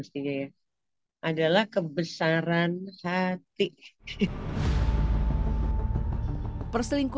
jika ada yang menarik balik